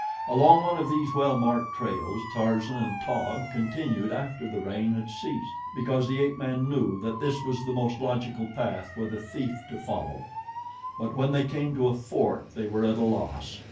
Along one of these well marked trails Tarzan and Taug continued after the rain had ceased, because the ape man knew that this was the most logical path for the thief to follow; but when they came to a fork, they were at a loss.